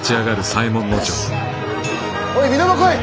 おい皆も来い！